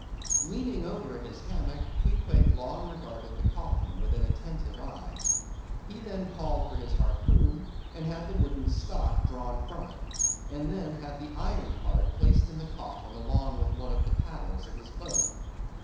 Leaning over in his hammock, Queequeg long regarded the coffin with an attentive eye. He then called for his harpoon, had the wooden stock drawn from it, and then had the iron part placed in the coffin along with one of the paddles of his boat.